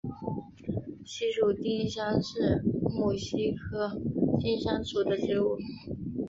西蜀丁香是木犀科丁香属的植物。